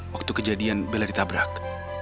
waktu kejadian bella ditabrak